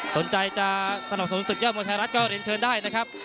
สนใจจะสนับสนุนศึกยอดมวยไทยรัฐก็เรียนเชิญได้นะครับ